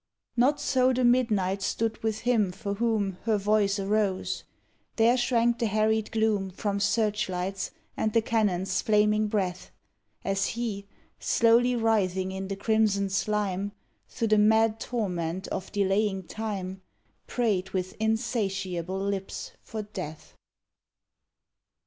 Not so the midnight stood with him for whom Her voice arose: there shrank the harried gloom From searchlights and the cannon s flaming breath, As he, slow writhing in the crimson slime Through the mad torment of delaying time, Prayed with insatiable lips for death.